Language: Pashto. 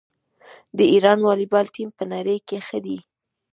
د ایران والیبال ټیم په نړۍ کې ښه دی.